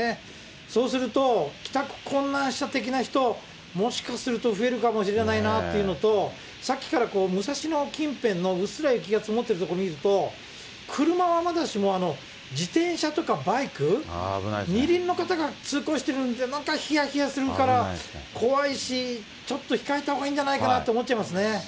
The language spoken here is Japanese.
そうすると、帰宅困難者的な人、もしかすると増えるかもしれないなというのと、さっきから武蔵野近辺のうっすら雪が積もっている所見ると、車はまだしも、自転車とかバイク、二輪の方が通行してるのひやひやするから怖いし、ちょっと控えたほうがいいんじゃないかなって思っちゃいますね。